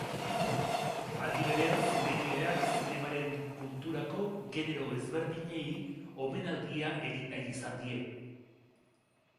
Aldi berean, zinegileak zinemaren kulturako genero ezberdinei omenaldia egin nahi izan die.